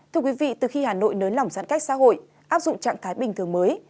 thưa quý vị từ khi hà nội nới lỏng giãn cách xã hội áp dụng trạng thái bình thường mới